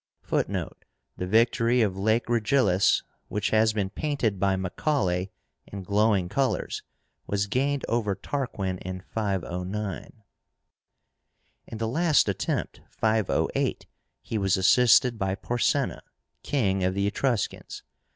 (Footnote: The victory of Lake Regillus, which has been painted by Macaulay in glowing colors, was gained over Tarquin in 509.) In the last attempt (508), he was assisted by PORSENA, king of the Etruscans.